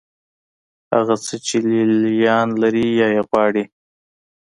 هغه څه چې لې لیان لري یا یې غواړي.